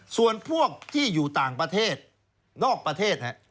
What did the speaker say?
ส่วนพวกที่อยู่ต่างประเทศนอกประเทศ